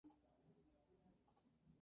Hijo del poeta azerbaiyano Khalil Rza.